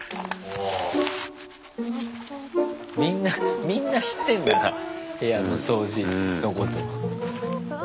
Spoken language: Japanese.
みんなみんな知ってんだな部屋の掃除のこと。